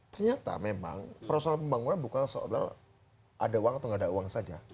ternyata memang perusahaan pembangunan bukan seolah olah ada uang atau nggak ada uang saja